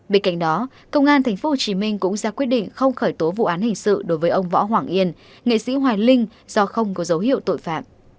bên cạnh đó công an tp hcm cũng ra quyết định không khởi tố vụ án hình sự đối với ông võ hoàng yên nghệ sĩ hoài linh do không có dấu hiệu tội phạm